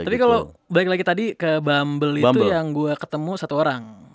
tapi kalau balik lagi tadi ke bumble itu yang gue ketemu satu orang